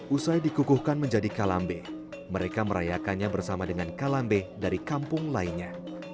usai dikukuhkan menjadi kalambe mereka merayakannya bersama dengan kalambe dari kampung lainnya